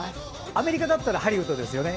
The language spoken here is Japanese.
アメリカだったらハリウッドですよね。